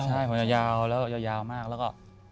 ใช่ผมยาวแล้วยาวมากแล้วก็